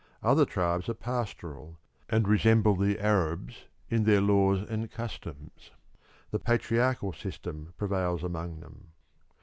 Other tribes are pastoral, and resemble the Arabs in their laws and customs; the patriarchal system prevails among them.